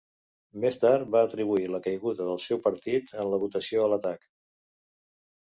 Més tard, va atribuir la caiguda del seu partit en la votació a l'atac.